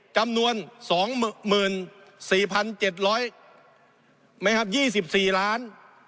จำนวนสองหมื่นสี่พันเจ็ดร้อยไม่ครับยี่สิบสี่ล้าน